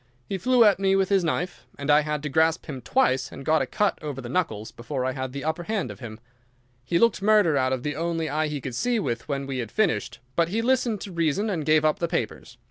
He flew at me with his knife, and I had to grasp him twice, and got a cut over the knuckles, before I had the upper hand of him. He looked murder out of the only eye he could see with when we had finished, but he listened to reason and gave up the papers.